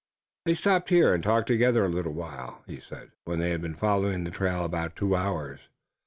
"They stopped here and talked together a little while," he said, when they had been following the trail about two hours.